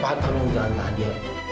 pak tolong jangan tahan dewi